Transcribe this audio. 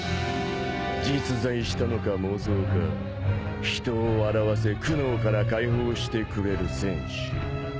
実在したのか妄想か人を笑わせ苦悩から解放してくれる戦士。